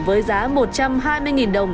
với giá một trăm hai mươi đồng